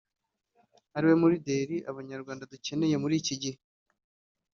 ari we mu leadeur abanyarwanda ducyaneye muri iki gihe